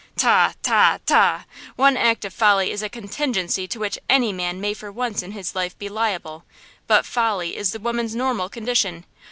"Tah! tah! tah! One act of folly is a contingency to which any man may for once in his life be liable; but folly is the women's normal condition!